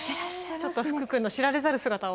ちょっと福くんの知られざる姿を。